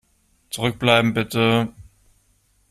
Zurückbleiben, bitte!